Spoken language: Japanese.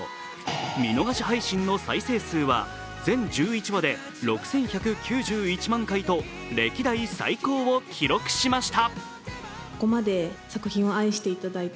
見逃し配信の再生数は全１１話で６１９１万回と歴代最高を記録しました。